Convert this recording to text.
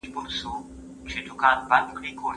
څوک چي مطالعه کوي هغه په خپل دریځ کي توند نه وي.